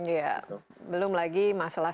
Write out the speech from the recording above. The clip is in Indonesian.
iya belum lagi masalah